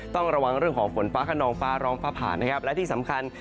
ต้องระวังเรื่องของฝนฟ้าขนองฟ้าร้องฟ้าผ่านนะครับและที่สำคัญ